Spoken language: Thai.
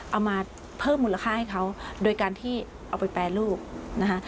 เอามาเพิ่มมูลค่าให้เขาโดยการที่เอาไปแปรรูปนะคะ